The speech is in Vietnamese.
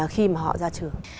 khi mà họ ra trường